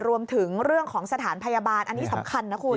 รวมถึงเรื่องของสถานพยาบาลอันนี้สำคัญนะคุณ